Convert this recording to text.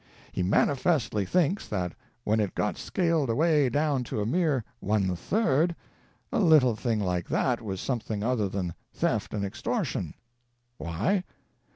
He manifestly thinks that when it got scaled away down to a mere "one third," a little thing like that was something other than "theft and extortion." Why?